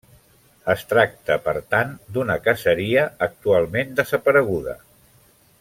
Es tracta, per tant, d'una caseria actualment desapareguda.